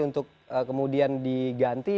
untuk kemudian diganti